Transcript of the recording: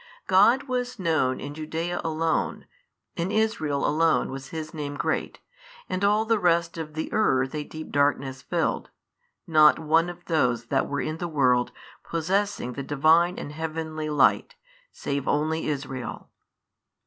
God was known in Judaea alone, in Israel alone was His Name great; and all the rest of the earth a deep darkness filled, not one of those that were in the world possessing the Divine and heavenly Light, save only Israel.